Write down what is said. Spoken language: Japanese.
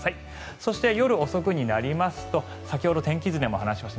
そして夜遅くになりますと先ほど天気図でも話しました